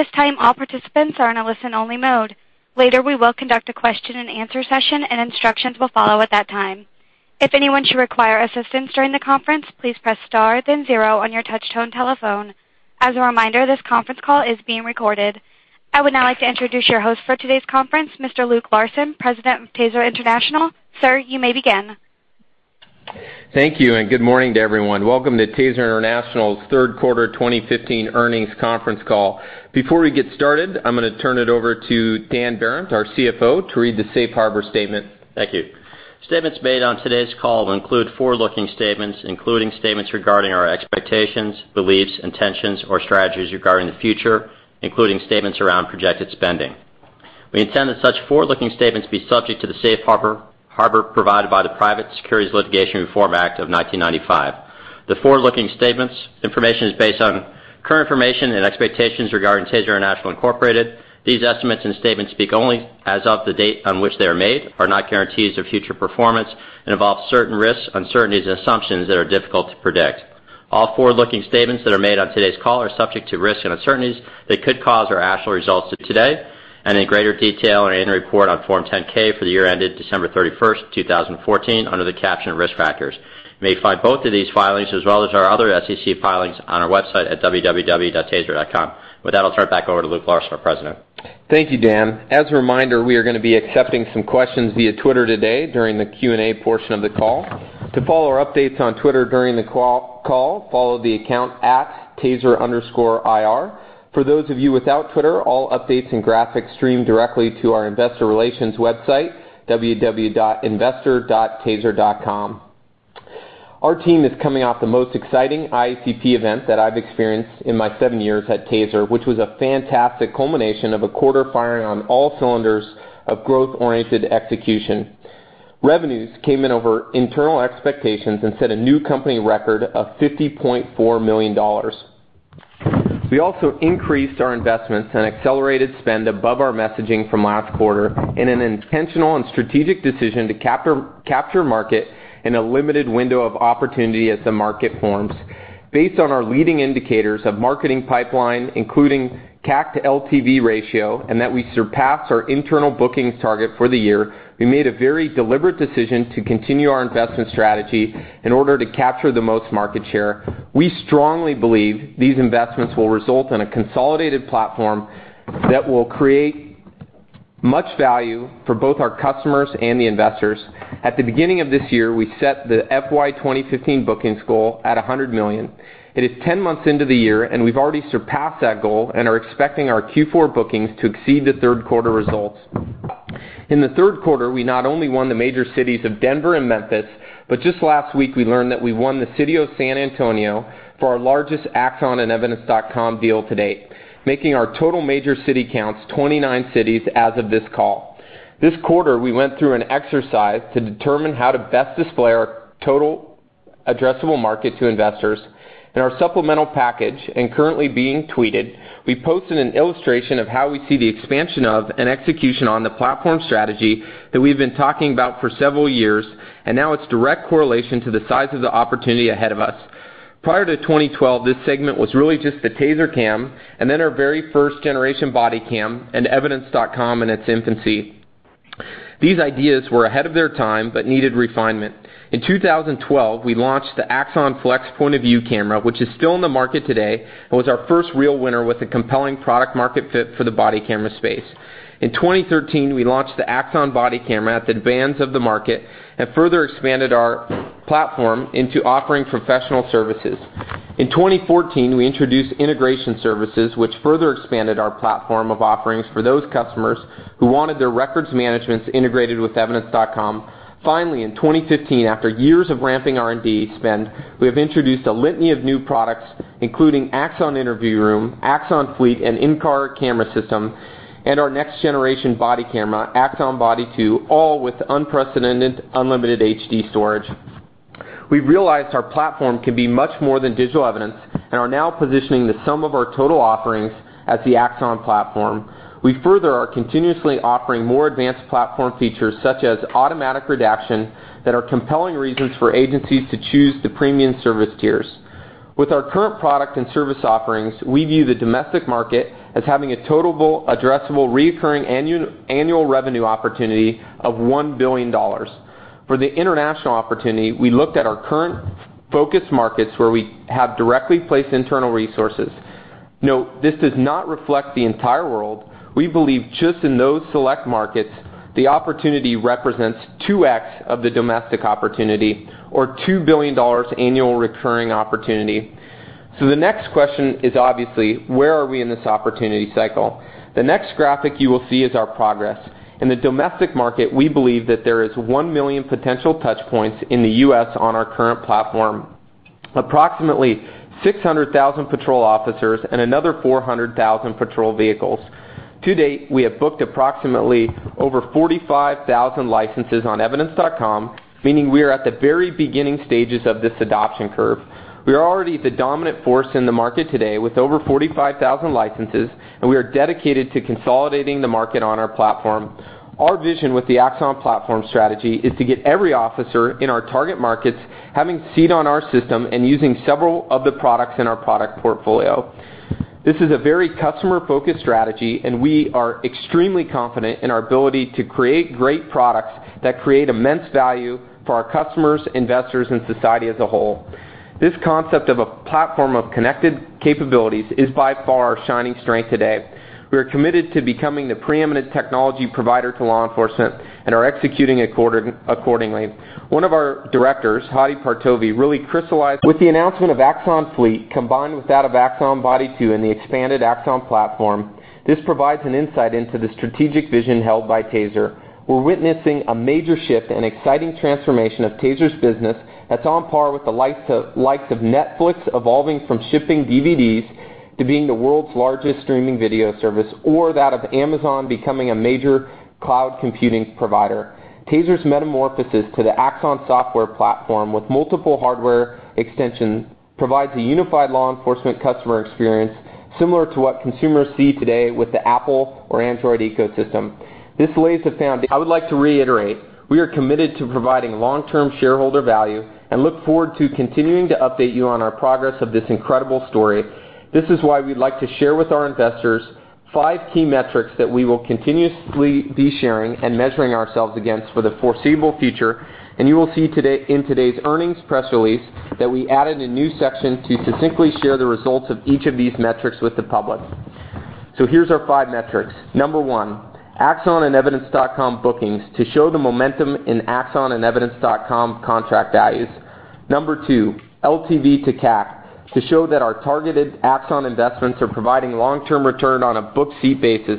At this time, all participants are in a listen-only mode. Later, we will conduct a question and answer session, and instructions will follow at that time. If anyone should require assistance during the conference, please press star then zero on your touchtone telephone. As a reminder, this conference call is being recorded. I would now like to introduce your host for today's conference, Mr. Luke Larson, President of TASER International. Sir, you may begin. Thank you, good morning to everyone. Welcome to TASER International's third quarter 2015 earnings conference call. Before we get started, I'm going to turn it over to Dan Behrendt, our CFO, to read the safe harbor statement. Thank you. Statements made on today's call will include forward-looking statements, including statements regarding our expectations, beliefs, intentions, or strategies regarding the future, including statements around projected spending. We intend that such forward-looking statements be subject to the safe harbor provided by the Private Securities Litigation Reform Act of 1995. The forward-looking statements information is based on current information and expectations regarding TASER International, Inc.. These estimates and statements speak only as of the date on which they are made, are not guarantees of future performance, and involve certain risks, uncertainties, and assumptions that are difficult to predict. All forward-looking statements that are made on today's call are subject to risks and uncertainties that could cause our actual results to today and in greater detail in our annual report on Form 10-K for the year ended December 31st, 2014, under the caption Risk Factors. You may find both of these filings as well as our other SEC filings on our website at www.taser.com. With that, I'll turn it back over to Luke Larson, our president. Thank you, Dan. As a reminder, we are going to be accepting some questions via Twitter today during the Q&A portion of the call. To follow our updates on Twitter during the call, follow the account @taser_ir. For those of you without Twitter, all updates and graphics stream directly to our investor relations website, www.investor.taser.com. Our team is coming off the most exciting IACP event that I've experienced in my seven years at Taser, which was a fantastic culmination of a quarter firing on all cylinders of growth-oriented execution. Revenues came in over internal expectations and set a new company record of $50.4 million. We also increased our investments and accelerated spend above our messaging from last quarter in an intentional and strategic decision to capture market in a limited window of opportunity as the market forms. Based on our leading indicators of marketing pipeline, including CAC to LTV ratio, we made a very deliberate decision to continue our investment strategy in order to capture the most market share. We strongly believe these investments will result in a consolidated platform that will create much value for both our customers and the investors. At the beginning of this year, we set the FY 2015 bookings goal at $100 million. It is 10 months into the year, we've already surpassed that goal and are expecting our Q4 bookings to exceed the third quarter results. In the third quarter, we not only won the major cities of Denver and Memphis, just last week we learned that we won the city of San Antonio for our largest Axon and Evidence.com deal to date, making our total major city counts 29 cities as of this call. This quarter, we went through an exercise to determine how to best display our total addressable market to investors. In our supplemental package and currently being tweeted, we posted an illustration of how we see the expansion of and execution on the platform strategy that we've been talking about for several years, and now its direct correlation to the size of the opportunity ahead of us. Prior to 2012, this segment was really just the TASER Cam, and then our very first-generation body cam, and Evidence.com in its infancy. These ideas were ahead of their time but needed refinement. In 2012, we launched the Axon Flex point of view camera, which is still in the market today and was our first real winner with a compelling product-market fit for the body camera space. In 2013, we launched the Axon Body camera at the demands of the market and further expanded our platform into offering professional services. In 2014, we introduced integration services, which further expanded our platform of offerings for those customers who wanted their records management integrated with Evidence.com. Finally, in 2015, after years of ramping R&D spend, we have introduced a litany of new products, including Axon Interview, Axon Fleet, an in-car camera system, and our next-generation body camera, Axon Body 2, all with unprecedented unlimited HD storage. We've realized our platform can be much more than digital evidence and are now positioning the sum of our total offerings as the Axon platform. We further are continuously offering more advanced platform features, such as automatic redaction, that are compelling reasons for agencies to choose the premium service tiers. With our current product and service offerings, we view the domestic market as having a total addressable recurring annual revenue opportunity of $1 billion. For the international opportunity, we looked at our current focus markets where we have directly placed internal resources. Note this does not reflect the entire world. We believe just in those select markets, the opportunity represents 2x of the domestic opportunity or $2 billion annual recurring opportunity. The next question is obviously where are we in this opportunity cycle? The next graphic you will see is our progress. In the domestic market, we believe that there is 1 million potential touchpoints in the U.S. on our current platform. Approximately 600,000 patrol officers and another 400,000 patrol vehicles. To date, we have booked approximately over 45,000 licenses on Evidence.com, meaning we are at the very beginning stages of this adoption curve. We are already the dominant force in the market today with over 45,000 licenses, and we are dedicated to consolidating the market on our platform. Our vision with the Axon platform strategy is to get every officer in our target markets having feet on our system and using several of the products in our product portfolio. This is a very customer-focused strategy, and we are extremely confident in our ability to create great products that create immense value for our customers, investors, and society as a whole. This concept of a platform of connected capabilities is by far our shining strength today. We are committed to becoming the preeminent technology provider to law enforcement and are executing accordingly. One of our directors, Hadi Partovi. With the announcement of Axon Fleet, combined with that of Axon Body 2 and the expanded Axon platform, this provides an insight into the strategic vision held by TASER. We're witnessing a major shift and exciting transformation of TASER's business that's on par with the likes of Netflix evolving from shipping DVDs to being the world's largest streaming video service, or that of Amazon becoming a major cloud computing provider. TASER's metamorphosis to the Axon software platform with multiple hardware extensions provides a unified law enforcement customer experience, similar to what consumers see today with the Apple or Android ecosystem. I would like to reiterate, we are committed to providing long-term shareholder value and look forward to continuing to update you on our progress of this incredible story. This is why we'd like to share with our investors five key metrics that we will continuously be sharing and measuring ourselves against for the foreseeable future. You will see in today's earnings press release that we added a new section to specifically share the results of each of these metrics with the public. Here's our five metrics. Number 1, Axon and Evidence.com bookings to show the momentum in Axon and Evidence.com contract values. Number 2, LTV to CAC to show that our targeted Axon investments are providing long-term return on a book fee basis.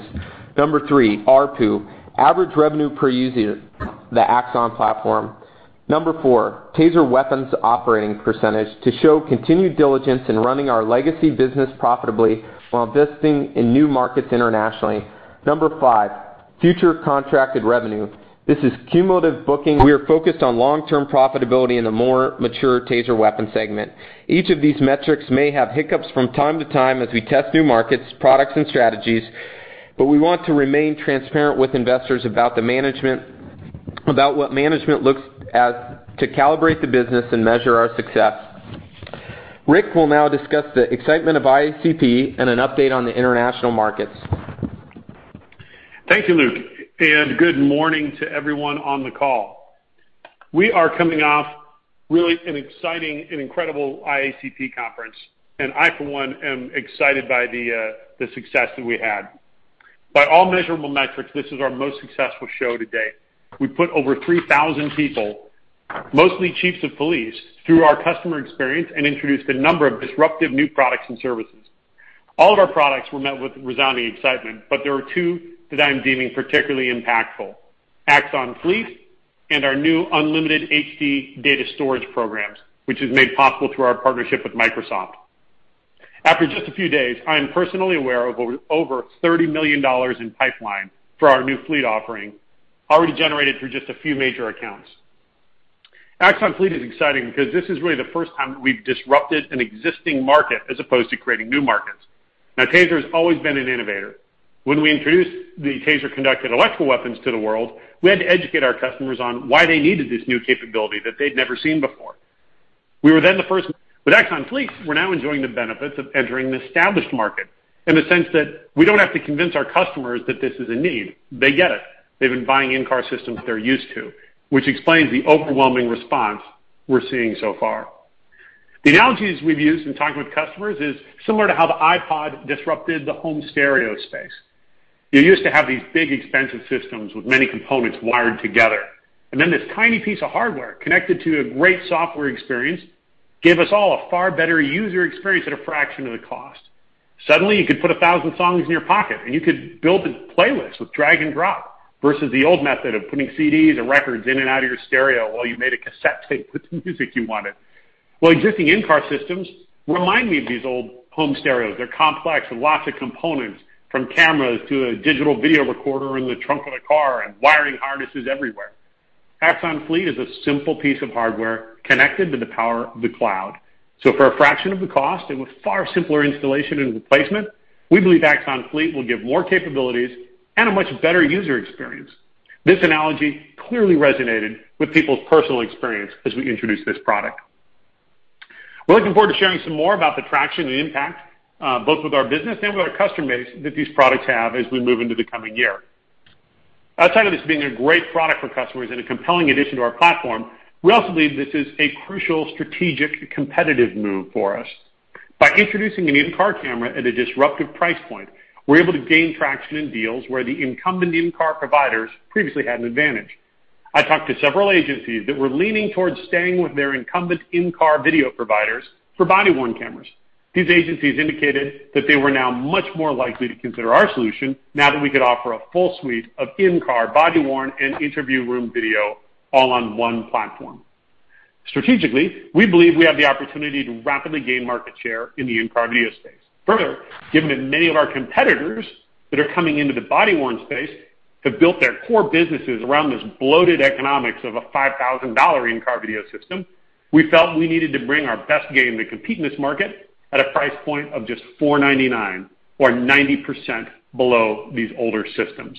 Number 3, ARPU, average revenue per user, the Axon platform. Number 4, TASER weapons operating percentage to show continued diligence in running our legacy business profitably while investing in new markets internationally. Number 5, future contracted revenue. This is cumulative booking. We are focused on long-term profitability in the more mature TASER weapon segment. Each of these metrics may have hiccups from time to time as we test new markets, products, and strategies, but we want to remain transparent with investors about what management looks at to calibrate the business and measure our success. Rick will now discuss the excitement of IACP and an update on the international markets. Thank you, Luke, and good morning to everyone on the call. We are coming off really an exciting and incredible IACP conference, and I, for one, am excited by the success that we had. By all measurable metrics, this is our most successful show to date. We put over 3,000 people, mostly chiefs of police, through our customer experience and introduced a number of disruptive new products and services. All of our products were met with resounding excitement, but there are two that I'm deeming particularly impactful. Axon Fleet and our new unlimited HD data storage programs, which is made possible through our partnership with Microsoft. After just a few days, I am personally aware of over $30 million in pipeline for our new fleet offering, already generated through just a few major accounts. Axon Fleet is exciting because this is really the first time that we've disrupted an existing market as opposed to creating new markets. TASER has always been an innovator. When we introduced the TASER conducted electrical weapons to the world, we had to educate our customers on why they needed this new capability that they'd never seen before. We were then the first. With Axon Fleet, we're now enjoying the benefits of entering an established market in the sense that we don't have to convince our customers that this is a need. They get it. They've been buying in-car systems they're used to, which explains the overwhelming response we're seeing so far. The analogies we've used in talking with customers is similar to how the iPod disrupted the home stereo space. You used to have these big, expensive systems with many components wired together. This tiny piece of hardware connected to a great software experience gave us all a far better user experience at a fraction of the cost. Suddenly, you could put 1,000 songs in your pocket, and you could build a playlist with drag and drop, versus the old method of putting CDs or records in and out of your stereo while you made a cassette tape with the music you wanted. Well, existing in-car systems remind me of these old home stereos. They're complex with lots of components, from cameras to a digital video recorder in the trunk of the car and wiring harnesses everywhere. Axon Fleet is a simple piece of hardware connected to the power of the cloud. For a fraction of the cost and with far simpler installation and replacement, we believe Axon Fleet will give more capabilities and a much better user experience. This analogy clearly resonated with people's personal experience as we introduced this product. We're looking forward to sharing some more about the traction and impact, both with our business and with our customer base that these products have as we move into the coming year. Outside of this being a great product for customers and a compelling addition to our platform, we also believe this is a crucial strategic competitive move for us. By introducing an in-car camera at a disruptive price point, we're able to gain traction in deals where the incumbent in-car providers previously had an advantage. I talked to several agencies that were leaning towards staying with their incumbent in-car video providers for body-worn cameras. These agencies indicated that they were now much more likely to consider our solution now that we could offer a full suite of in-car body-worn and interview room video all on one platform. Strategically, we believe we have the opportunity to rapidly gain market share in the in-car video space. Further, given that many of our competitors that are coming into the body-worn space have built their core businesses around this bloated economics of a $5,000 in-car video system, we felt we needed to bring our best game to compete in this market at a price point of just $499 or 90% below these older systems.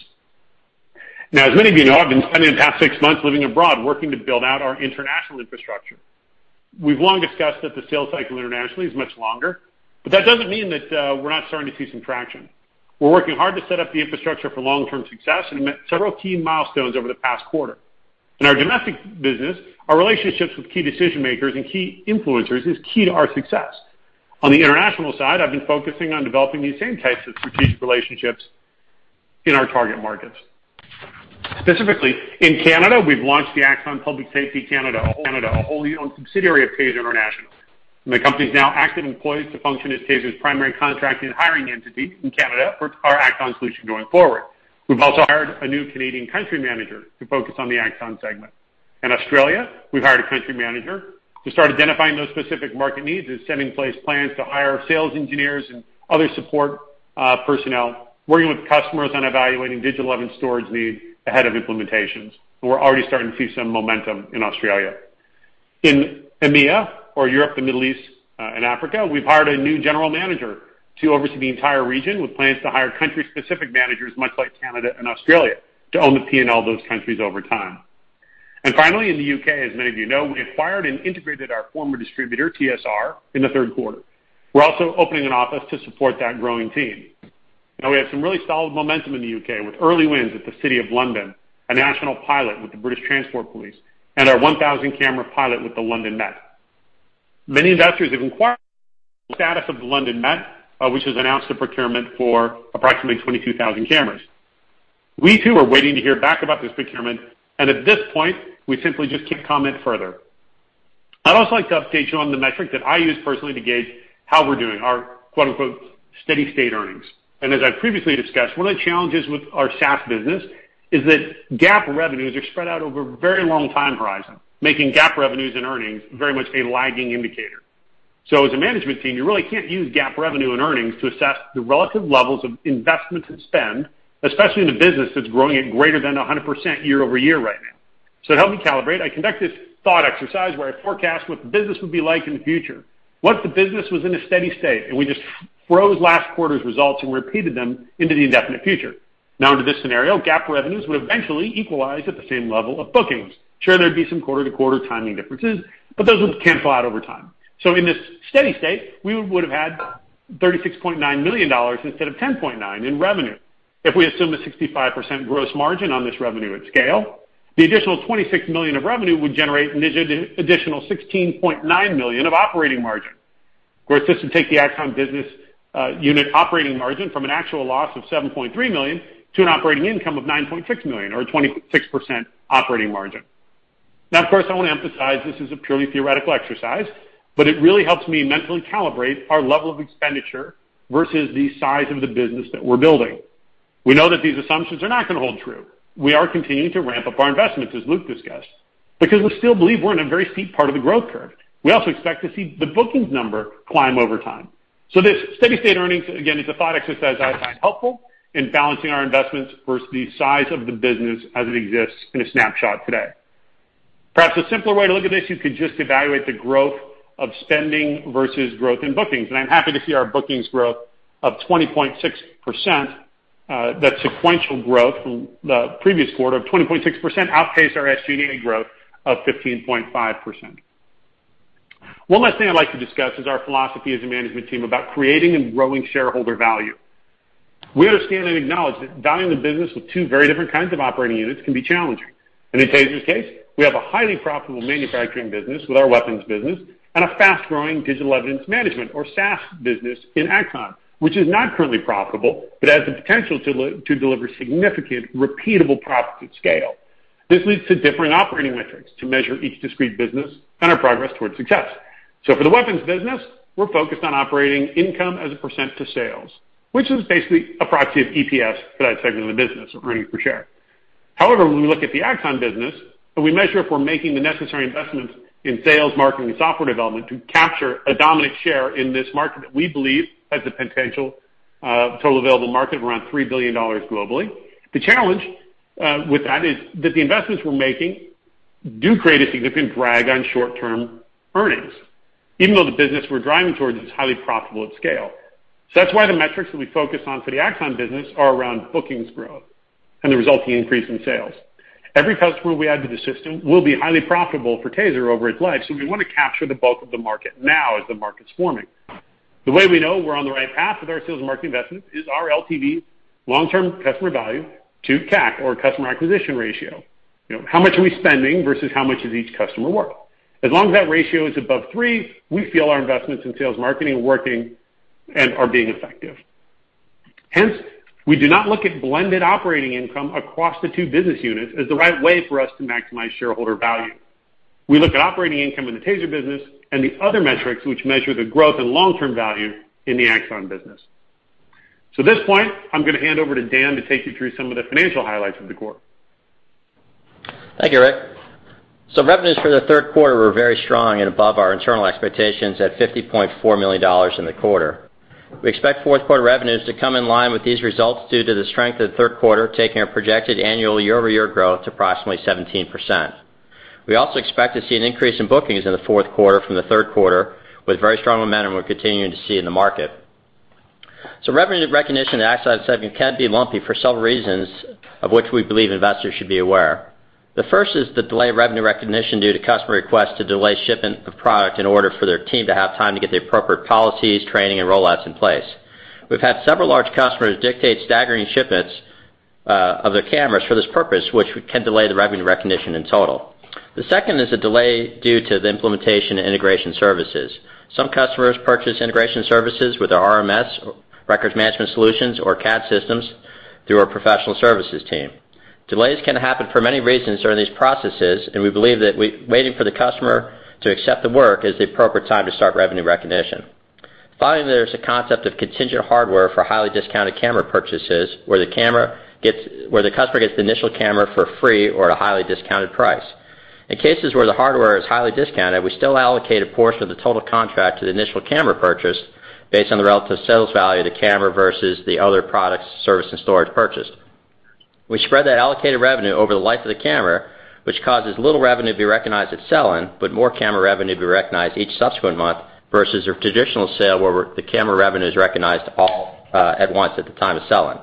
As many of you know, I've been spending the past six months living abroad, working to build out our international infrastructure. We've long discussed that the sales cycle internationally is much longer, but that doesn't mean that we're not starting to see some traction. We're working hard to set up the infrastructure for long-term success and have met several key milestones over the past quarter. In our domestic business, our relationships with key decision-makers and key influencers is key to our success. On the international side, I've been focusing on developing these same types of strategic relationships in our target markets. Specifically, in Canada, we've launched the Axon Public Safety Canada, a wholly owned subsidiary of TASER International, and the company is now active employees to function as TASER's primary contracting and hiring entity in Canada for our Axon solution going forward. We've also hired a new Canadian country manager to focus on the Axon segment. In Australia, we've hired a country manager to start identifying those specific market needs and set in place plans to hire sales engineers and other support personnel, working with customers on evaluating digital evidence storage needs ahead of implementations. We're already starting to see some momentum in Australia. In EMEA or Europe, the Middle East, and Africa, we've hired a new general manager to oversee the entire region with plans to hire country-specific managers, much like Canada and Australia, to own the P&L of those countries over time. Finally, in the U.K., as many of you know, we acquired and integrated our former distributor, TSR, in the third quarter. We're also opening an office to support that growing team. We have some really solid momentum in the U.K. with early wins at the City of London, a national pilot with the British Transport Police, and our 1,000-camera pilot with the London Met. Many investors have inquired the status of the London Met, which has announced a procurement for approximately 22,000 cameras. We, too, are waiting to hear back about this procurement, and at this point, we simply just can't comment further. I'd also like to update you on the metric that I use personally to gauge how we're doing, our "steady state earnings." As I previously discussed, one of the challenges with our SaaS business is that GAAP revenues are spread out over a very long time horizon, making GAAP revenues and earnings very much a lagging indicator. As a management team, you really can't use GAAP revenue and earnings to assess the relative levels of investment and spend, especially in a business that's growing at greater than 100% year-over-year right now. To help me calibrate, I conduct this thought exercise where I forecast what the business would be like in the future. Once the business was in a steady state, and we just froze last quarter's results and repeated them into the indefinite future. Under this scenario, GAAP revenues would eventually equalize at the same level of bookings. Sure, there'd be some quarter-to-quarter timing differences, but those would cancel out over time. In this steady state, we would have had $36.9 million instead of $10.9 million in revenue. If we assume a 65% gross margin on this revenue at scale, the additional $26 million of revenue would generate an additional $16.9 million of operating margin, where this would take the Axon business unit operating margin from an actual loss of $7.3 million to an operating income of $9.6 million or a 26% operating margin. Of course, I want to emphasize this is a purely theoretical exercise, but it really helps me mentally calibrate our level of expenditure versus the size of the business that we're building. We know that these assumptions are not going to hold true. We are continuing to ramp up our investments, as Luke discussed, because we still believe we're in a very steep part of the growth curve. We also expect to see the bookings number climb over time. This steady state earnings, again, is a thought exercise I find helpful in balancing our investments versus the size of the business as it exists in a snapshot today. Perhaps a simpler way to look at this, you could just evaluate the growth of spending versus growth in bookings, and I'm happy to see our bookings growth of 20.6%, that sequential growth from the previous quarter of 20.6% outpaced our SG&A growth of 15.5%. One last thing I'd like to discuss is our philosophy as a management team about creating and growing shareholder value. We understand and acknowledge that valuing the business with two very different kinds of operating units can be challenging. In TASER's case, we have a highly profitable manufacturing business with our weapons business and a fast-growing digital evidence management or SaaS business in Axon, which is not currently profitable, but has the potential to deliver significant, repeatable profits at scale. This leads to different operating metrics to measure each discrete business and our progress towards success. For the weapons business, we're focused on operating income as a percent to sales, which is basically a proxy of EPS for that segment of the business or earnings per share. However, when we look at the Axon business and we measure if we're making the necessary investments in sales, marketing, and software development to capture a dominant share in this market that we believe has the potential total available market of around $3 billion globally. The challenge with that is that the investments we're making do create a significant drag on short-term earnings, even though the business we're driving towards is highly profitable at scale. That's why the metrics that we focus on for the Axon business are around bookings growth and the resulting increase in sales. Every customer we add to the system will be highly profitable for TASER over its life, so we want to capture the bulk of the market now as the market's forming. The way we know we're on the right path with our sales and marketing investment is our LTV, long-term customer value to CAC or customer acquisition ratio. How much are we spending versus how much is each customer worth? As long as that ratio is above three, we feel our investments in sales marketing are working and are being effective. Hence, we do not look at blended operating income across the two business units as the right way for us to maximize shareholder value. We look at operating income in the TASER business and the other metrics which measure the growth and long-term value in the Axon business. At this point, I'm going to hand over to Dan to take you through some of the financial highlights of the quarter. Thank you, Rick. Revenues for the third quarter were very strong and above our internal expectations at $50.4 million in the quarter. We expect fourth quarter revenues to come in line with these results due to the strength of the third quarter, taking our projected annual year-over-year growth to approximately 17%. We also expect to see an increase in bookings in the fourth quarter from the third quarter with very strong momentum we're continuing to see in the market. Revenue recognition in the Axon segment can be lumpy for several reasons of which we believe investors should be aware. The first is the delay of revenue recognition due to customer requests to delay shipment of product in order for their team to have time to get the appropriate policies, training, and rollouts in place. We've had several large customers dictate staggering shipments of their cameras for this purpose, which can delay the revenue recognition in total. The second is a delay due to the implementation of integration services. Some customers purchase integration services with our RMS, records management solutions or CAD systems through our professional services team. Delays can happen for many reasons during these processes, and we believe that waiting for the customer to accept the work is the appropriate time to start revenue recognition. Finally, there's the concept of contingent hardware for highly discounted camera purchases, where the customer gets the initial camera for free or at a highly discounted price. In cases where the hardware is highly discounted, we still allocate a portion of the total contract to the initial camera purchase based on the relative sales value of the camera versus the other products, service, and storage purchased. We spread that allocated revenue over the life of the camera, which causes little revenue to be recognized at selling, but more camera revenue to be recognized each subsequent month versus a traditional sale where the camera revenue is recognized all at once at the time of selling.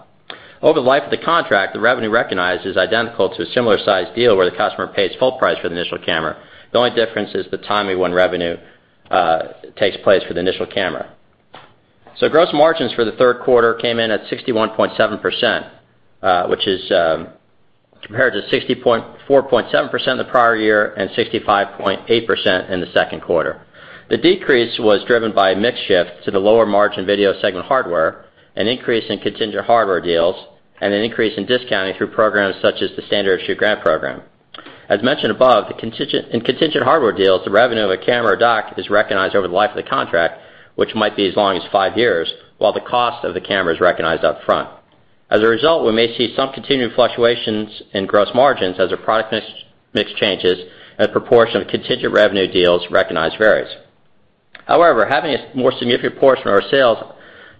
Over the life of the contract, the revenue recognized is identical to a similar-sized deal where the customer pays full price for the initial camera. The only difference is the timing when revenue takes place for the initial camera. Gross margins for the third quarter came in at 61.7%, which is compared to 64.7% the prior year and 65.8% in the second quarter. The decrease was driven by a mix shift to the lower-margin video segment hardware, an increase in contingent hardware deals, and an increase in discounting through programs such as the Standard Issue Grant Program. As mentioned above, in contingent hardware deals, the revenue of a camera or dock is recognized over the life of the contract, which might be as long as five years, while the cost of the camera is recognized up front. As a result, we may see some continued fluctuations in gross margins as our product mix changes and proportion of contingent revenue deals recognized varies. Having a more significant portion of our sales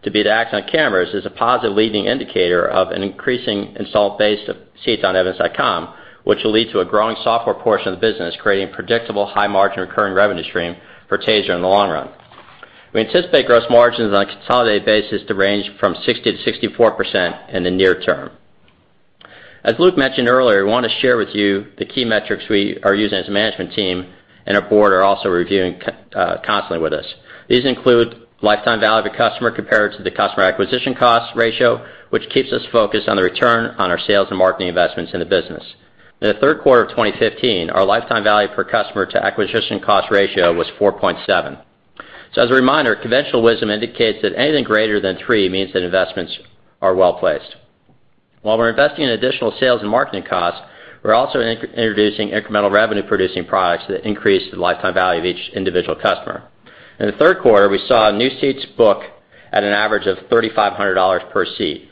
to be the Axon cameras is a positive leading indicator of an increasing installed base of seats on evidence.com, which will lead to a growing software portion of the business, creating predictable high-margin recurring revenue stream for TASER in the long run. We anticipate gross margins on a consolidated basis to range from 60%-64% in the near term. As Luke mentioned earlier, we want to share with you the key metrics we are using as a management team and our board are also reviewing constantly with us. These include lifetime value of the customer compared to the customer acquisition cost ratio, which keeps us focused on the return on our sales and marketing investments in the business. In the third quarter of 2015, our lifetime value per customer to acquisition cost ratio was 4.7. As a reminder, conventional wisdom indicates that anything greater than three means that investments are well-placed. While we're investing in additional sales and marketing costs, we're also introducing incremental revenue-producing products that increase the lifetime value of each individual customer. In the third quarter, we saw new seats book at an average of $3,500 per seat.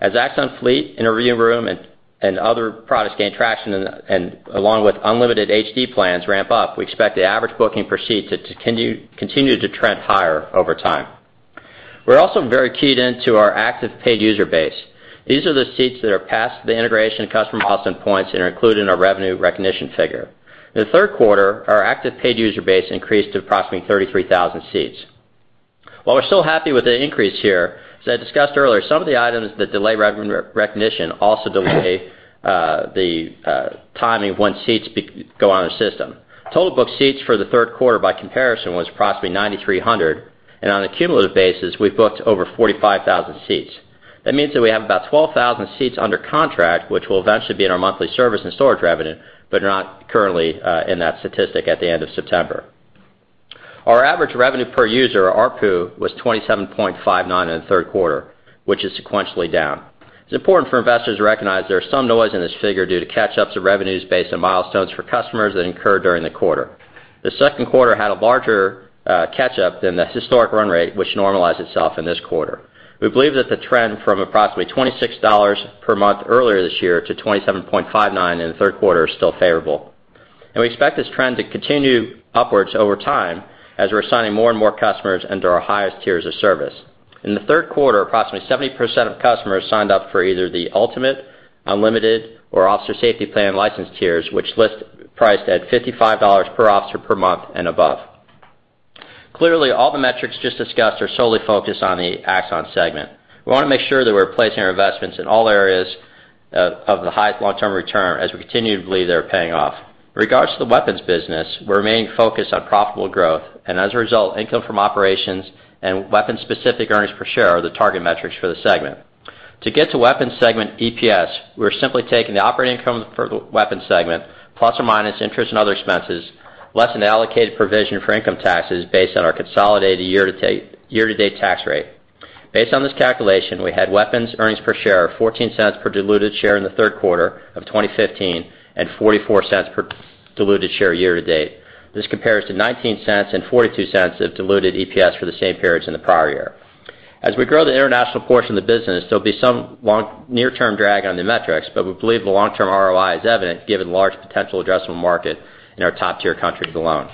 As Axon Fleet, Axon Interview, and other products gain traction and along with unlimited HD plans ramp up, we expect the average booking per seat to continue to trend higher over time. We're also very keyed into our active paid user base. These are the seats that are past the integration and customer milestone points and are included in our revenue recognition figure. In the third quarter, our active paid user base increased to approximately 33,000 seats. While we're still happy with the increase here, as I discussed earlier, some of the items that delay revenue recognition also delay the timing of when seats go on the system. Total booked seats for the third quarter by comparison was approximately 9,300, and on a cumulative basis, we've booked over 45,000 seats. That means that we have about 12,000 seats under contract, which will eventually be in our monthly service and storage revenue, but are not currently in that statistic at the end of September. Our average revenue per user, ARPU, was $27.59 in the third quarter, which is sequentially down. It's important for investors to recognize there is some noise in this figure due to catch-ups of revenues based on milestones for customers that incurred during the quarter. The second quarter had a larger catch-up than the historic run rate, which normalized itself in this quarter. We believe that the trend from approximately $26 per month earlier this year to $27.59 in the third quarter is still favorable. We expect this trend to continue upwards over time as we're assigning more and more customers under our highest tiers of service. In the third quarter, approximately 70% of customers signed up for either the Ultimate, Unlimited, or Officer Safety Plan license tiers, which list priced at $55 per officer per month and above. Clearly, all the metrics just discussed are solely focused on the Axon segment. We want to make sure that we're placing our investments in all areas of the highest long-term return as we continue to believe they are paying off. In regards to the weapons business, we remain focused on profitable growth, and as a result, income from operations and weapons-specific earnings per share are the target metrics for the segment. To get to Weapons segment EPS, we're simply taking the operating income for the Weapons segment, plus or minus interest and other expenses, less than allocated provision for income taxes based on our consolidated year-to-date tax rate. Based on this calculation, we had Weapons earnings per share of $0.14 per diluted share in the third quarter of 2015 and $0.44 per diluted share year to date. This compares to $0.19 and $0.42 of diluted EPS for the same periods in the prior year. As we grow the international portion of the business, there'll be some near-term drag on the metrics, but we believe the long-term ROI is evident given the large potential addressable market in our top-tier countries alone.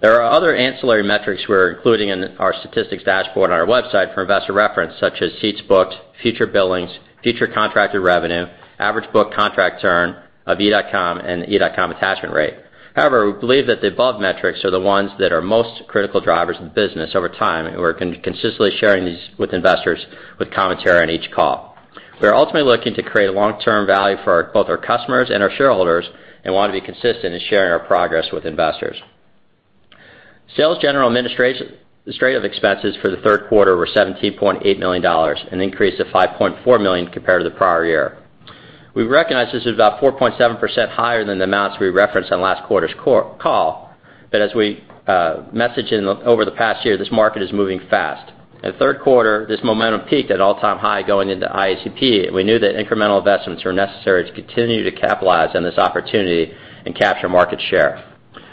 There are other ancillary metrics we're including in our statistics dashboard on our website for investor reference, such as seats booked, future billings, future contracted revenue, average booked contract churn of Evidence.com, and the Evidence.com attachment rate. However, we believe that the above metrics are the ones that are most critical drivers of the business over time, and we're consistently sharing these with investors with commentary on each call. We are ultimately looking to create long-term value for both our customers and our shareholders and want to be consistent in sharing our progress with investors. Sales general and administrative expenses for the third quarter were $17.8 million, an increase of $5.4 million compared to the prior year. We recognize this is about 4.7% higher than the amounts we referenced on last quarter's call. But as we messaged over the past year, this market is moving fast. In the third quarter, this momentum peaked at all-time high going into IACP, and we knew that incremental investments were necessary to continue to capitalize on this opportunity and capture market share.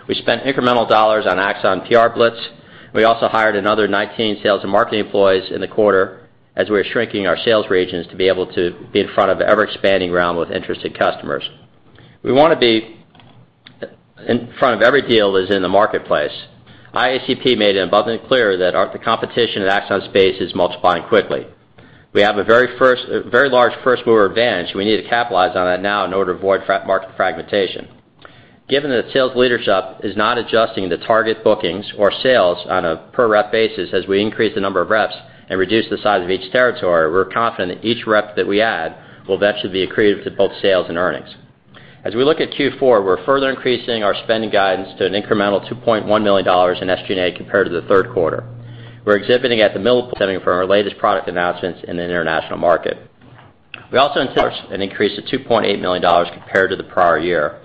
We spent incremental dollars on Axon PR blitz. We also hired another 19 sales and marketing employees in the quarter as we were shrinking our sales regions to be able to be in front of an ever-expanding realm with interested customers. We want to be in front of every deal that is in the marketplace. IACP made it abundantly clear that the competition in Axon space is multiplying quickly. We have a very large first-mover advantage, and we need to capitalize on that now in order to avoid market fragmentation. Given that the sales leadership is not adjusting the target bookings or sales on a per-rep basis as we increase the number of reps and reduce the size of each territory, we're confident that each rep that we add will eventually be accretive to both sales and earnings. As we look at Q4, we're further increasing our spending guidance to an incremental $2.1 million in SG&A compared to the third quarter. We're exhibiting at the Milipol for our latest product announcements in the international market. We also an increase of $2.8 million compared to the prior year.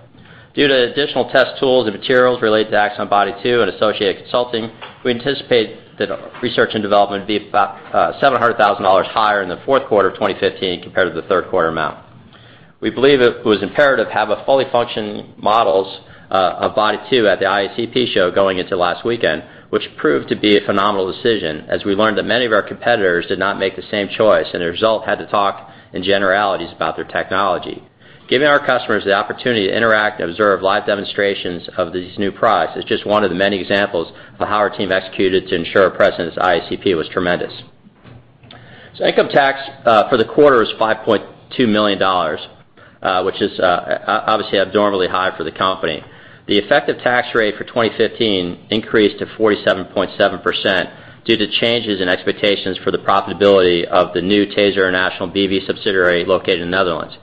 Due to additional test tools and materials related to Axon Body 2 and associated consulting, we anticipate that research and development will be about $700,000 higher in the fourth quarter of 2015 compared to the third quarter amount. We believe it was imperative to have a fully functioning models of Body 2 at the IACP show going into last weekend, which proved to be a phenomenal decision as we learned that many of our competitors did not make the same choice and as a result, had to talk in generalities about their technology. Giving our customers the opportunity to interact and observe live demonstrations of these new products is just one of the many examples of how our team executed to ensure our presence at IACP was tremendous. Income tax for the quarter is $5.2 million, which is obviously abnormally high for the company. The effective tax rate for 2015 increased to 47.7% due to changes in expectations for the profitability of the new TASER International B.V. subsidiary located in the Netherlands.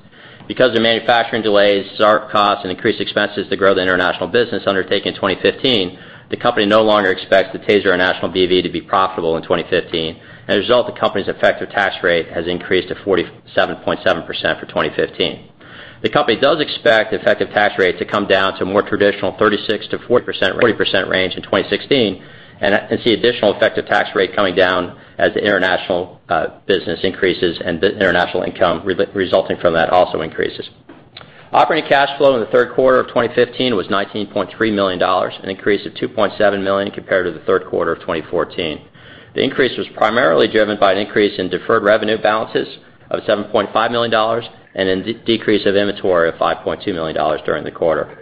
Because of manufacturing delays, SAR costs, and increased expenses to grow the international business undertaken in 2015, the company no longer expects the TASER International B.V. to be profitable in 2015. As a result, the company's effective tax rate has increased to 47.7% for 2015. The company does expect the effective tax rate to come down to a more traditional 36%-40% range in 2016, and see additional effective tax rate coming down as the international business increases and the international income resulting from that also increases. Operating cash flow in the third quarter of 2015 was $19.3 million, an increase of $2.7 million compared to the third quarter of 2014. The increase was primarily driven by an increase in deferred revenue balances of $7.5 million and a decrease of inventory of $5.2 million during the quarter.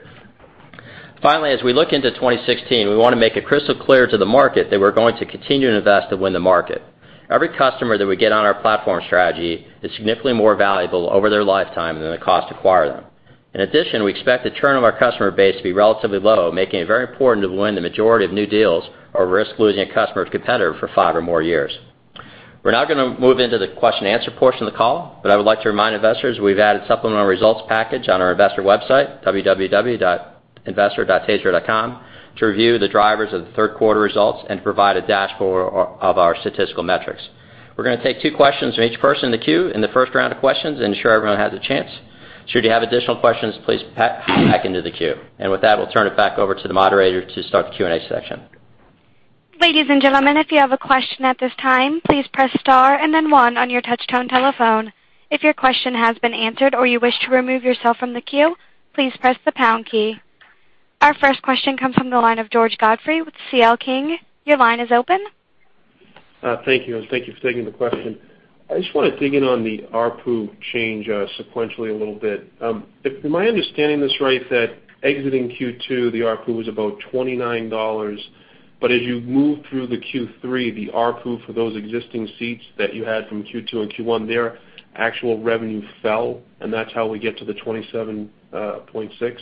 Finally, as we look into 2016, we want to make it crystal clear to the market that we're going to continue to invest to win the market. Every customer that we get on our platform strategy is significantly more valuable over their lifetime than the cost to acquire them. In addition, we expect the churn of our customer base to be relatively low, making it very important to win the majority of new deals or risk losing a customer to competitor for five or more years. We're now going to move into the question and answer portion of the call, but I would like to remind investors we've added a supplemental results package on our investor website, www.investor.taser.com, to review the drivers of the third quarter results and provide a dashboard of our statistical metrics. We're going to take two questions from each person in the queue in the first round of questions to ensure everyone has a chance. Should you have additional questions, please back into the queue. And with that, we'll turn it back over to the moderator to start the Q&A section. Ladies and gentlemen, if you have a question at this time, please press star and then one on your touch-tone telephone. If your question has been answered or you wish to remove yourself from the queue, please press the pound key. Our first question comes from the line of George Godfrey with C.L. King. Your line is open. Thank you, and thank you for taking the question. I just want to dig in on the ARPU change sequentially a little bit. Am I understanding this right that exiting Q2, the ARPU was about $29, but as you moved through the Q3, the ARPU for those existing seats that you had from Q2 and Q1 there, actual revenue fell, and that's how we get to the $27.6?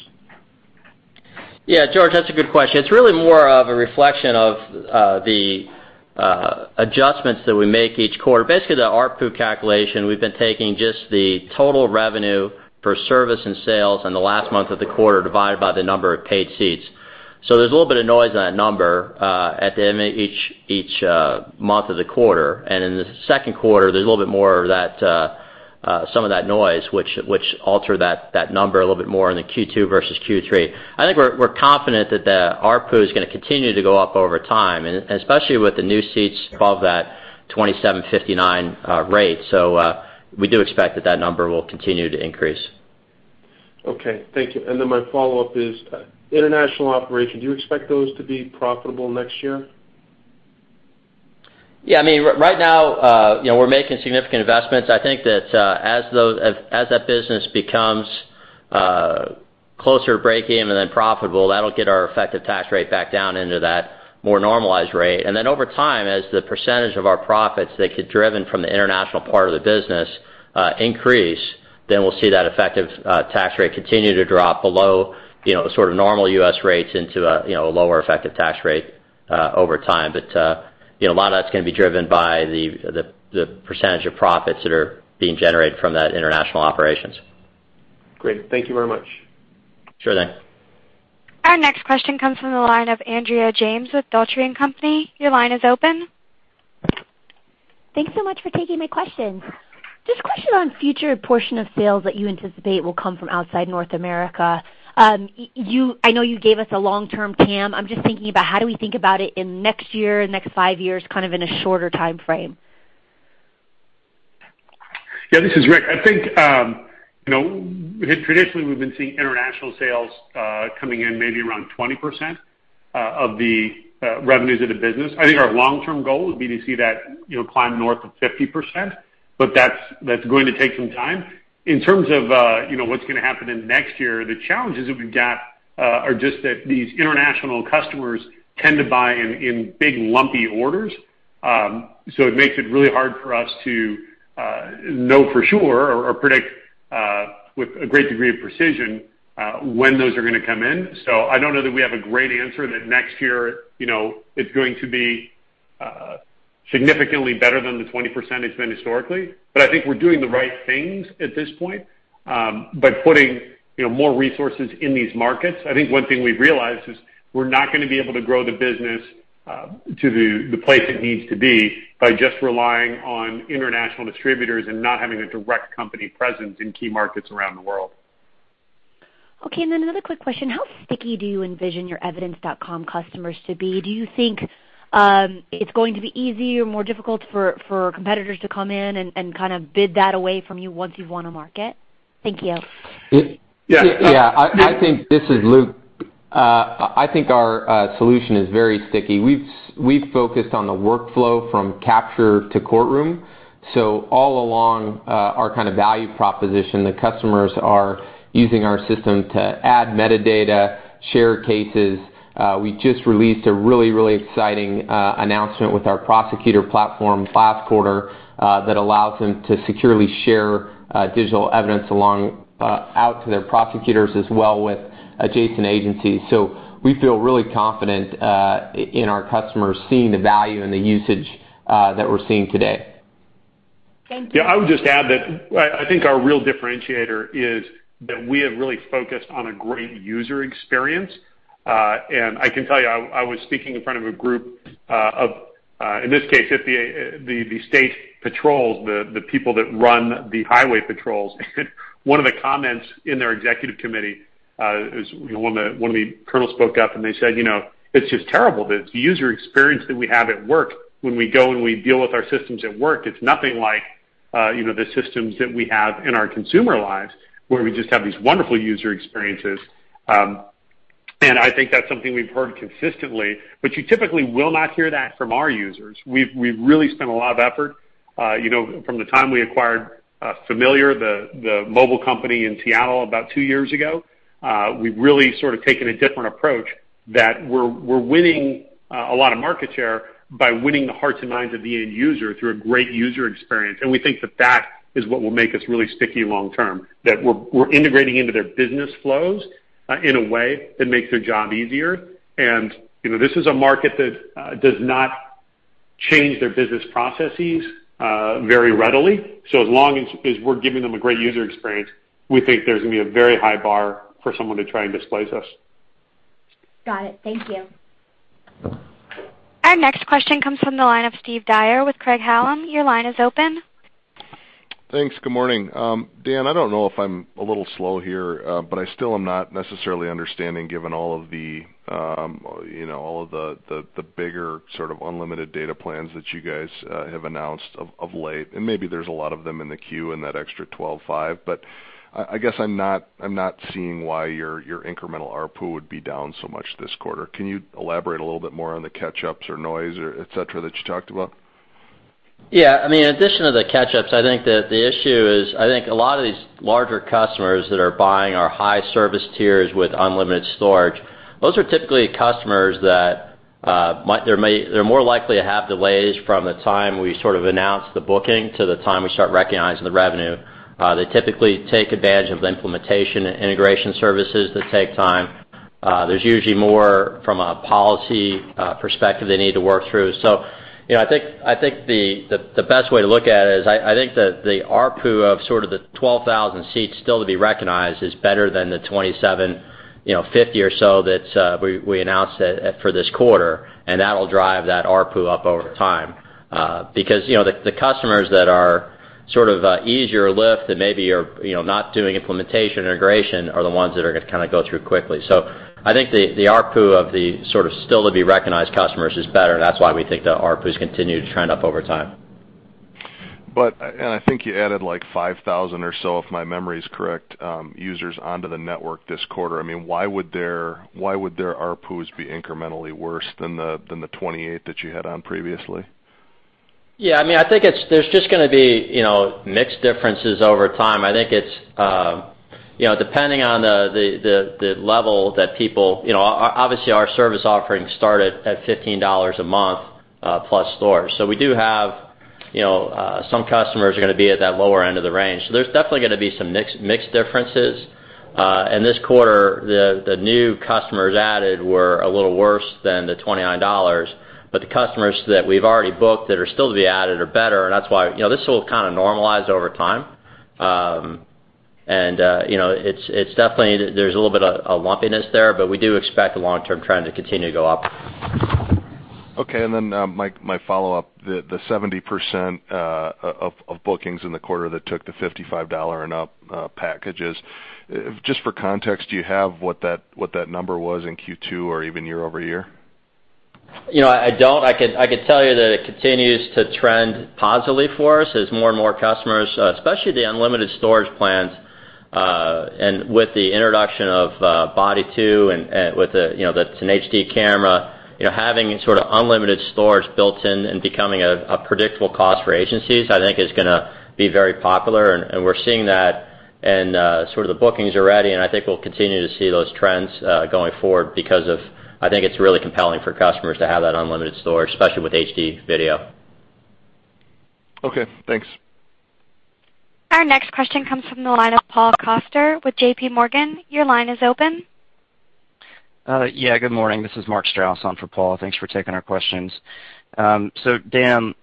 Yeah, George, that's a good question. It's really more of a reflection of the adjustments that we make each quarter. Basically, the ARPU calculation, we've been taking just the total revenue for service and sales in the last month of the quarter divided by the number of paid seats. There's a little bit of noise on that number at the end of each month of the quarter. In the second quarter, there's a little bit more of some of that noise, which altered that number a little bit more in the Q2 versus Q3. I think we're confident that the ARPU is going to continue to go up over time, and especially with the new seats above that $2,759 rate. We do expect that that number will continue to increase. Okay, thank you. My follow-up is, international operations, do you expect those to be profitable next year? Yeah, right now, we're making significant investments. I think that as that business becomes closer to breakeven and then profitable, that'll get our effective tax rate back down into that more normalized rate. Over time, as the percentage of our profits that get driven from the international part of the business increase, then we'll see that effective tax rate continue to drop below the sort of normal U.S. rates into a lower effective tax rate over time. A lot of that's going to be driven by the percentage of profits that are being generated from that international operations. Great. Thank you very much. Sure thing. Our next question comes from the line of Andrea James with Dougherty & Company. Your line is open. Thanks so much for taking my questions. Just a question on future portion of sales that you anticipate will come from outside North America. I know you gave us a long-term TAM. I'm just thinking about how do we think about it in next year, next five years, kind of in a shorter timeframe? Yeah, this is Rick. I think, traditionally, we've been seeing international sales coming in maybe around 20% of the revenues of the business. I think our long-term goal would be to see that climb north of 50%, but that's going to take some time. In terms of what's going to happen in the next year, the challenges that we've got are just that these international customers tend to buy in big lumpy orders. It makes it really hard for us to know for sure or predict with a great degree of precision when those are gonna come in. I don't know that we have a great answer that next year it's going to be significantly better than the 20% it's been historically. I think we're doing the right things at this point, by putting more resources in these markets. I think one thing we've realized is we're not going to be able to grow the business to the place it needs to be by just relying on international distributors and not having a direct company presence in key markets around the world. Okay, then another quick question. How sticky do you envision your Evidence.com customers to be? Do you think it's going to be easy or more difficult for competitors to come in and kind of bid that away from you once you've won a market? Thank you. Yeah. This is Luke. I think our solution is very sticky. We've focused on the workflow from capture to courtroom. All along our kind of value proposition, the customers are using our system to add metadata, share cases. We just released a really exciting announcement with our prosecutor platform last quarter that allows them to securely share digital evidence along out to their prosecutors as well with adjacent agencies. We feel really confident in our customers seeing the value and the usage that we're seeing today. Thank you. Yeah, I would just add that I think our real differentiator is that we have really focused on a great user experience. I can tell you, I was speaking in front of a group of, in this case, the state patrols, the people that run the highway patrols, and one of the comments in their executive committee, one of the colonels spoke up, and they said, "It's just terrible, the user experience that we have at work when we go and we deal with our systems at work, it's nothing like the systems that we have in our consumer lives where we just have these wonderful user experiences." I think that's something we've heard consistently, but you typically will not hear that from our users. We've really spent a lot of effort from the time we acquired Familiar, the mobile company in Seattle about two years ago. We've really sort of taken a different approach that we're winning a lot of market share by winning the hearts and minds of the end user through a great user experience. We think that that is what will make us really sticky long term, that we're integrating into their business flows in a way that makes their job easier. This is a market that does not change their business processes very readily. As long as we're giving them a great user experience, we think there's going to be a very high bar for someone to try and displace us. Got it. Thank you. Our next question comes from the line of Steve Dyer with Craig-Hallum. Your line is open. Thanks. Good morning. Dan, I don't know if I'm a little slow here, I still am not necessarily understanding, given all of the bigger sort of unlimited data plans that you guys have announced of late, and maybe there's a lot of them in the queue and that extra 12.5, I guess I'm not seeing why your incremental ARPU would be down so much this quarter. Can you elaborate a little bit more on the catch-ups or noise or et cetera that you talked about? Yeah. In addition to the catch-ups, I think that the issue is, I think a lot of these larger customers that are buying our high service tiers with unlimited storage, those are typically customers that are more likely to have delays from the time we sort of announce the booking to the time we start recognizing the revenue. They typically take advantage of the implementation and integration services that take time. There's usually more from a policy perspective they need to work through. I think the best way to look at it is, I think that the ARPU of sort of the 12,000 seats still to be recognized is better than the $27.50 or so that we announced for this quarter, and that'll drive that ARPU up over time. The customers that are sort of easier lift and maybe are not doing implementation integration are the ones that are going to kind of go through quickly. I think the ARPU of the sort of still to be recognized customers is better. That's why we think the ARPUs continue to trend up over time. I think you added like 5,000 or so, if my memory is correct, users onto the network this quarter. I mean, why would their ARPUs be incrementally worse than the $28 that you had on previously? I think there's just going to be mix differences over time. I think it's depending on the level that obviously, our service offering started at $15 a month plus storage. We do have some customers are going to be at that lower end of the range. There's definitely going to be some mix differences. In this quarter, the new customers added were a little worse than the $29. The customers that we've already booked that are still to be added are better, and that's why this will kind of normalize over time. It's definitely there's a little bit of a lumpiness there, but we do expect the long-term trend to continue to go up. Okay, my follow-up, the 70% of bookings in the quarter that took the $55 and up packages. Just for context, do you have what that number was in Q2 or even year-over-year? I don't. I could tell you that it continues to trend positively for us as more and more customers, especially the unlimited storage plans, with the introduction of Axon Body 2 and with an HD camera. Having sort of unlimited storage built-in and becoming a predictable cost for agencies, I think is going to be very popular. We're seeing that in sort of the bookings already. I think we'll continue to see those trends going forward because I think it's really compelling for customers to have that unlimited storage, especially with HD video. Okay, thanks. Our next question comes from the line of Paul Coster with JPMorgan. Your line is open. Yeah, good morning. This is Mark Strouse on for Paul. Thanks for taking our questions. Dan,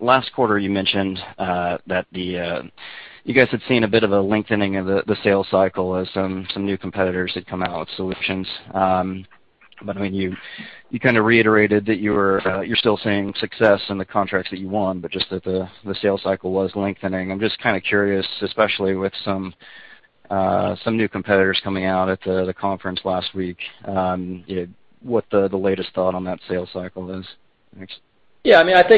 last quarter you mentioned that you guys had seen a bit of a lengthening of the sales cycle as some new competitors had come out with solutions. You kind of reiterated that you're still seeing success in the contracts that you won, but just that the sales cycle was lengthening. I'm just kind of curious, especially with some new competitors coming out at the conference last week, what the latest thought on that sales cycle is. Thanks. Yeah, I don't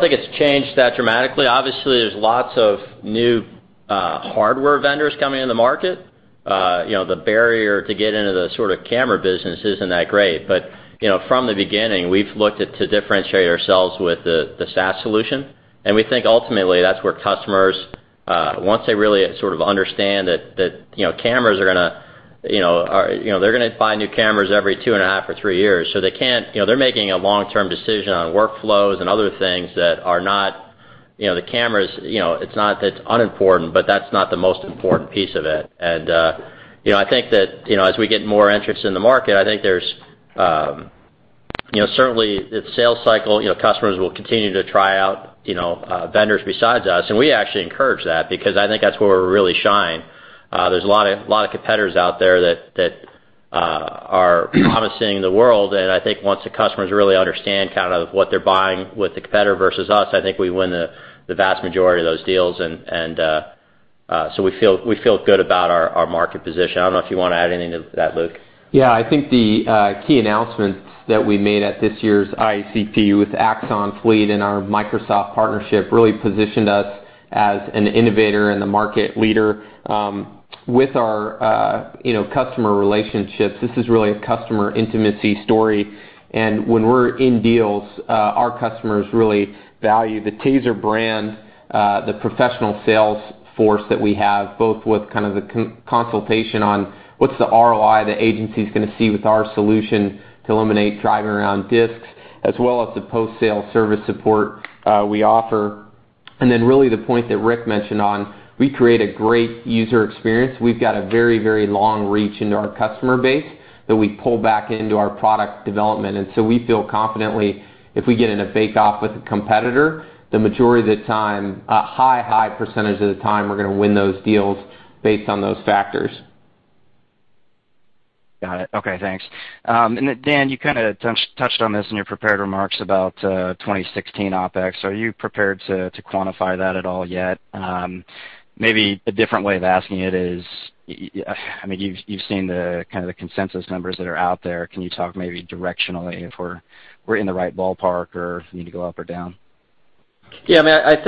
think it's changed that dramatically. Obviously, there's lots of new hardware vendors coming in the market. The barrier to get into the sort of camera business isn't that great. From the beginning, we've looked to differentiate ourselves with the SaaS solution. We think ultimately that's where customers, once they really sort of understand that cameras are going to buy new cameras every two and a half or three years. They're making a long-term decision on workflows and other things that are not the cameras. It's unimportant, but that's not the most important piece of it. I think that as we get more interest in the market, I think there's certainly the sales cycle, customers will continue to try out vendors besides us, and we actually encourage that because I think that's where we really shine. There's a lot of competitors out there that are promising the world, I think once the customers really understand kind of what they're buying with the competitor versus us, I think we win the vast majority of those deals. We feel good about our market position. I don't know if you want to add anything to that, Luke. I think the key announcements that we made at this year's IACP with Axon Fleet and our Microsoft partnership really positioned us as an innovator and a market leader with our customer relationships. This is really a customer intimacy story. When we're in deals, our customers really value the TASER brand, the professional sales force that we have, both with kind of the consultation on what's the ROI the agency's going to see with our solution to eliminate driving around disks, as well as the post-sale service support we offer. Really the point that Rick mentioned on we create a great user experience. We've got a very, very long reach into our customer base that we pull back into our product development. We feel confidently, if we get in a bake-off with a competitor, the majority of the time, a high percentage of the time, we're going to win those deals based on those factors. Got it. Okay, thanks. Dan, you kind of touched on this in your prepared remarks about 2016 OpEx. Are you prepared to quantify that at all yet? Maybe a different way of asking it is, you've seen the kind of the consensus numbers that are out there. Can you talk maybe directionally if we're in the right ballpark or if you need to go up or down? I'm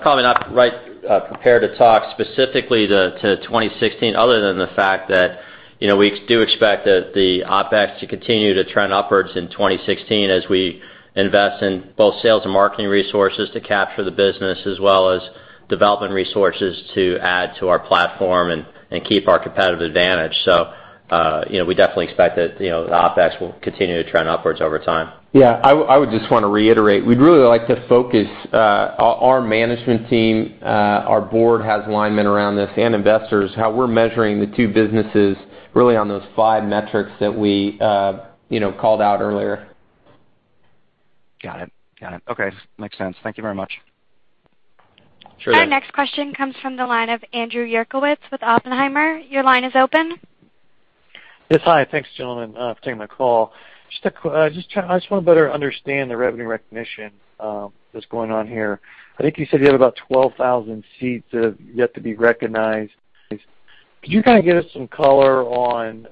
probably not prepared to talk specifically to 2016 other than the fact that we do expect the OpEx to continue to trend upwards in 2016 as we invest in both sales and marketing resources to capture the business as well as development resources to add to our platform and keep our competitive advantage. We definitely expect that the OpEx will continue to trend upwards over time. Yeah, I would just want to reiterate, we really like to focus our management team, our board has alignment around this and investors, how we are measuring the two businesses really on those five metrics that we called out earlier. Got it. Okay. Makes sense. Thank you very much. Sure. Our next question comes from the line of Andrew Uerkwitz with Oppenheimer. Your line is open. Yes. Hi. Thanks, gentlemen, for taking my call. I just want to better understand the revenue recognition that is going on here. I think you said you have about 12,000 seats that have yet to be recognized. Could you kind of give us some color on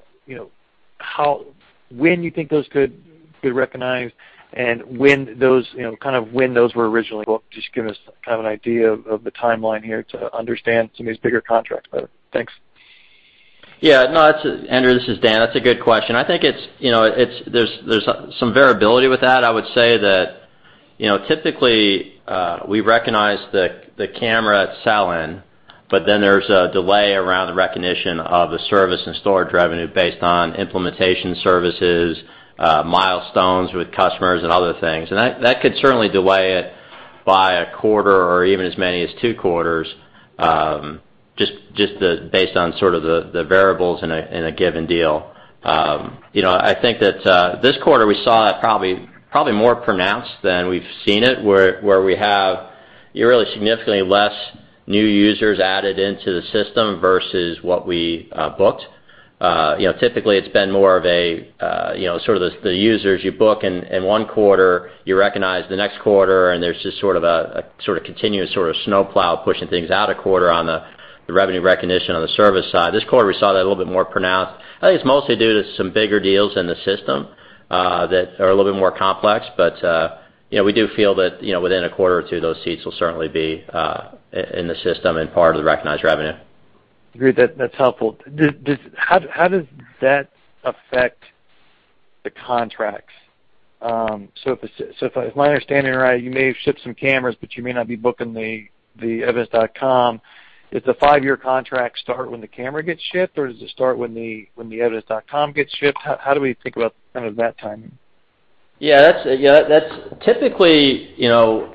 when you think those could be recognized and when those were originally booked? Just give us kind of an idea of the timeline here to understand some of these bigger contracts better. Thanks. Yeah. No, Andrew, this is Dan. That's a good question. I think there's some variability with that. I would say that, typically, we recognize the camera at sell-in, but then there's a delay around the recognition of the service and storage revenue based on implementation services, milestones with customers, and other things. That could certainly delay it by a quarter or even as many as 2 quarters, just based on sort of the variables in a given deal. I think that this quarter we saw it probably more pronounced than we've seen it, where we have really significantly less new users added into the system versus what we booked. Typically, it's been more of the users you book in one quarter, you recognize the next quarter, and there's just sort of a continuous sort of snowplow pushing things out a quarter on the revenue recognition on the service side. This quarter, we saw that a little bit more pronounced. I think it's mostly due to some bigger deals in the system that are a little bit more complex. We do feel that within a quarter or two, those seats will certainly be in the system and part of the recognized revenue. Agreed. That's helpful. How does that affect the contracts? If my understanding right, you may have shipped some cameras, but you may not be booking the Evidence.com. Does the 5-year contract start when the camera gets shipped, or does it start when the Evidence.com gets shipped? How do we think about kind of that timing? Yeah. Typically,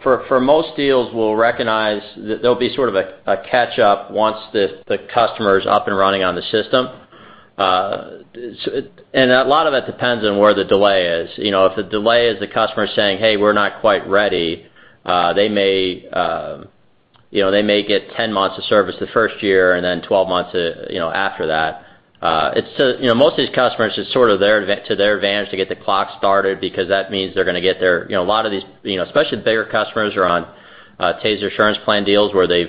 for most deals, we'll recognize that there'll be sort of a catch-up once the customer's up and running on the system. A lot of it depends on where the delay is. If the delay is the customer saying, "Hey, we're not quite ready," they may get 10 months of service the first year and then 12 months after that. Most of these customers, it's sort of to their advantage to get the clock started because that means they're going to get their Especially the bigger customers are on TASER Assurance Plan deals where they're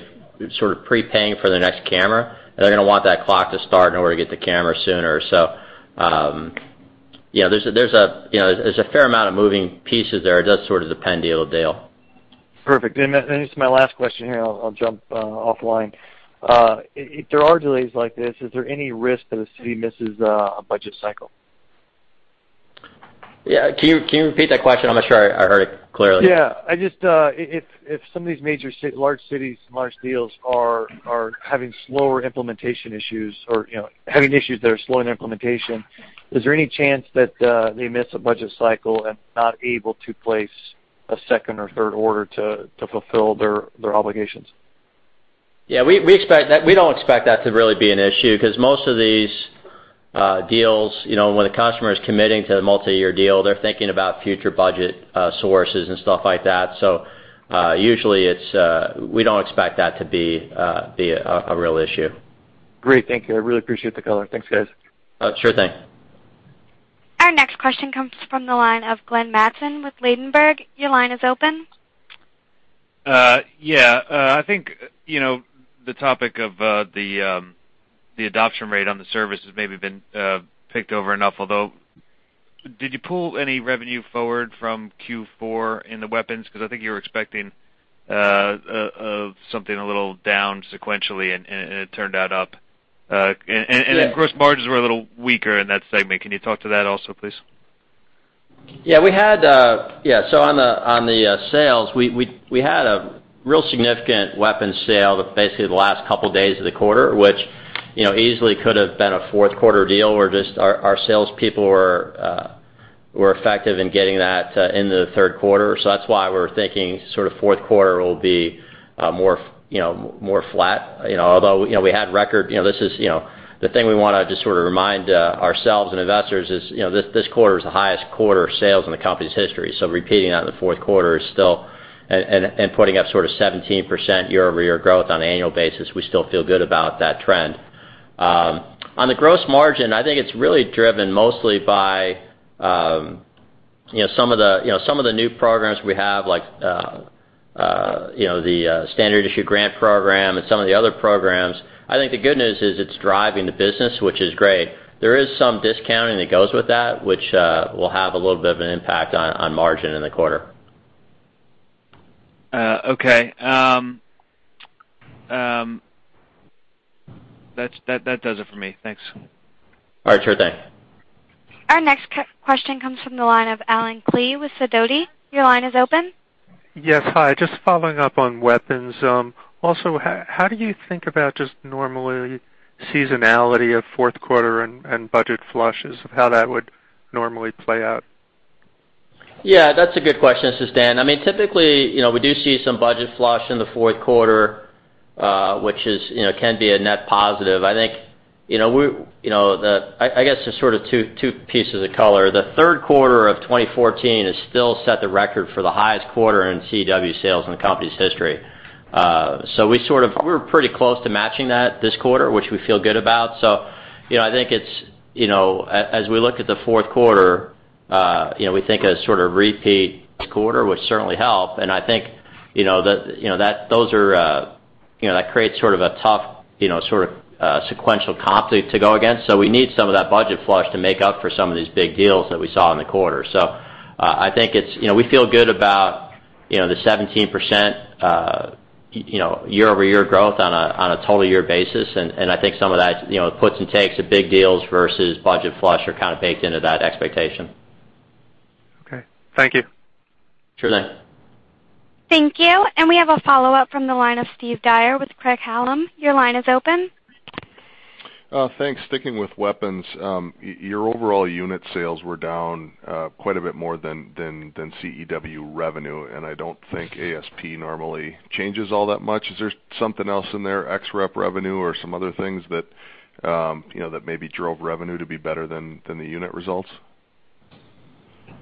sort of prepaying for their next camera, and they're going to want that clock to start in order to get the camera sooner. There's a fair amount of moving pieces there. It does sort of depend deal to deal. Perfect. This is my last question here, and I'll jump offline. If there are delays like this, is there any risk that a city misses a budget cycle? Yeah. Can you repeat that question? I'm not sure I heard it clearly. Yeah. If some of these major large cities, large deals are having slower implementation issues or having issues that are slowing implementation, is there any chance that they miss a budget cycle and not able to place a second or third order to fulfill their obligations? Yeah, we don't expect that to really be an issue because most of these deals, when a customer is committing to a multi-year deal, they're thinking about future budget sources and stuff like that. Usually, we don't expect that to be a real issue. Great. Thank you. I really appreciate the color. Thanks, guys. Sure thing. Our next question comes from the line of Glenn Mattson with Ladenburg. Your line is open. Yeah. I think the topic of the adoption rate on the service has maybe been picked over enough, although did you pull any revenue forward from Q4 in the weapons? Because I think you were expecting something a little down sequentially, and it turned out up. Yes. gross margins were a little weaker in that segment. Can you talk to that also, please? Yeah. On the sales, we had a real significant weapons sale basically the last couple days of the quarter, which easily could have been a fourth quarter deal, where just our salespeople were effective in getting that into the third quarter. That's why we're thinking sort of fourth quarter will be more flat. Although, we had record. The thing we want to just sort of remind ourselves and investors is this quarter is the highest quarter of sales in the company's history. Repeating that in the fourth quarter and putting up sort of 17% year-over-year growth on an annual basis, we still feel good about that trend. On the gross margin, I think it's really driven mostly by some of the new programs we have, like the Standard Issue Grant Program and some of the other programs. I think the good news is it's driving the business, which is great. There is some discounting that goes with that, which will have a little bit of an impact on margin in the quarter. Okay. That does it for me. Thanks. All right. Sure thing. Our next question comes from the line of Allen Klee with Sidoti. Your line is open. Yes, hi. Just following up on weapons. How do you think about just normally seasonality of fourth quarter and budget flushes, of how that would normally play out? Yeah, that's a good question. This is Dan. I mean, typically, we do see some budget flush in the fourth quarter, which can be a net positive. I guess there's sort of two pieces of color. The third quarter of 2014 has still set the record for the highest quarter in CEW sales in the company's history. We're pretty close to matching that this quarter, which we feel good about. I think as we look at the fourth quarter, we think a sort of repeat quarter, which certainly help. I think that creates sort of a tough sequential comp to go against. We need some of that budget flush to make up for some of these big deals that we saw in the quarter. I think we feel good about the 17% year-over-year growth on a total year basis. I think some of that puts and takes of big deals versus budget flush are kind of baked into that expectation. Okay. Thank you. Sure thing. Thank you. We have a follow-up from the line of Steve Dyer with Craig-Hallum. Your line is open. Thanks. Sticking with weapons, your overall unit sales were down quite a bit more than CEW revenue, and I don't think ASP normally changes all that much. Is there something else in there, ex rep revenue or some other things that maybe drove revenue to be better than the unit results?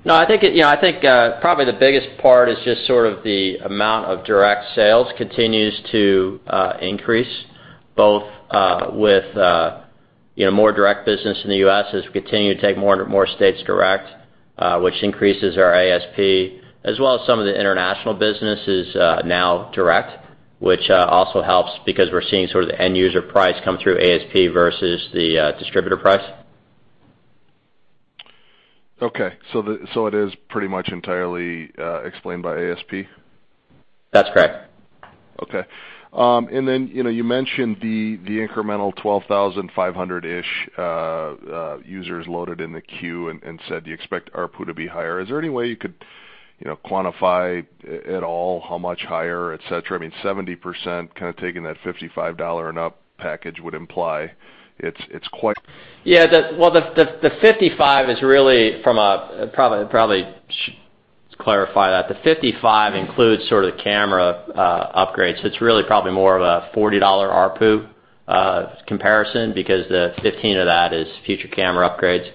No, I think probably the biggest part is just sort of the amount of direct sales continues to increase, both with more direct business in the U.S. as we continue to take more and more states direct, which increases our ASP, as well as some of the international business is now direct, which also helps because we're seeing sort of the end user price come through ASP versus the distributor price. Okay, it is pretty much entirely explained by ASP? That's correct. Okay. You mentioned the incremental 12,500-ish users loaded in the queue and said you expect ARPU to be higher. Is there any way you could quantify at all how much higher, et cetera? Yeah. I probably should clarify that. The $55 includes sort of camera upgrades. It's really probably more of a $40 ARPU comparison because the $15 of that is future camera upgrades.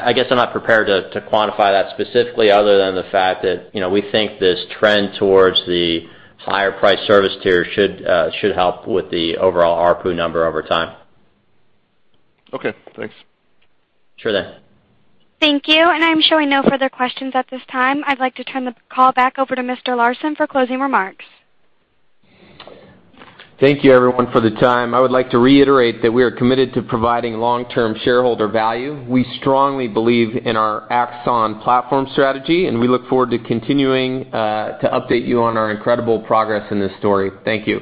I guess I'm not prepared to quantify that specifically other than the fact that we think this trend towards the higher price service tier should help with the overall ARPU number over time. Okay, thanks. Sure thing. Thank you. I'm showing no further questions at this time. I'd like to turn the call back over to Mr. Larson for closing remarks. Thank you everyone for the time. I would like to reiterate that we are committed to providing long-term shareholder value. We strongly believe in our Axon platform strategy, and we look forward to continuing to update you on our incredible progress in this story. Thank you.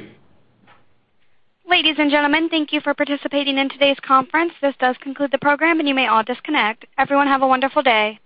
Ladies and gentlemen, thank you for participating in today's conference. This does conclude the program, and you may all disconnect. Everyone, have a wonderful day.